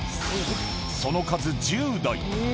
その数、１０台。